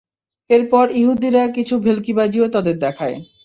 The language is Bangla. এরপর ইহুদীরা কিছু ভেল্কিবাজিও তাদের দেখায়।